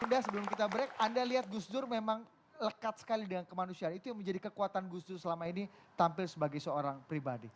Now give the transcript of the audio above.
bunda sebelum kita break anda lihat gus dur memang lekat sekali dengan kemanusiaan itu yang menjadi kekuatan gus dur selama ini tampil sebagai seorang pribadi